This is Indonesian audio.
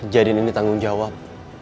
jadi ini tanggung jawab